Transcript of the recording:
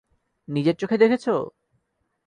নিজের চোখে দেখেছ?